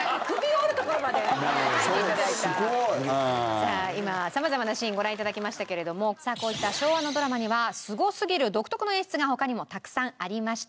さあ今様々なシーンご覧頂きましたけれどもさあこういった昭和のドラマにはすごすぎる独特の演出が他にもたくさんありました。